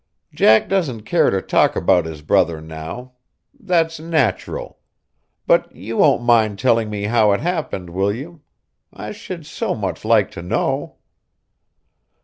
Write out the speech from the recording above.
"Jack doesn't care to talk about his brother now. That's natural. But you won't mind telling me how it happened, will you? I should so much like to know."